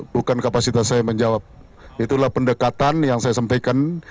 bukan kapasitas saya menjawab itulah pendekatan yang saya sampaikan